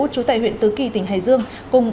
trú tại huyện tứ kỳ tỉnh hải dương